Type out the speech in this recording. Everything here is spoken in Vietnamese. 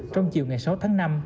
trong chiều ngày sáu tháng năm